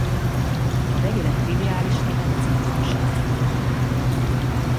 A vegyület triviális neve citromsav.